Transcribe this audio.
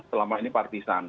selama ini partisans